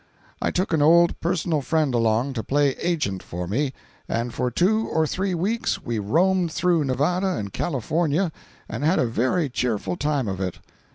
I took an old personal friend along to play agent for me, and for two or three weeks we roamed through Nevada and California and had a very cheerful time of it.